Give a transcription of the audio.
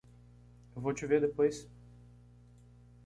Eu vou te ver depois.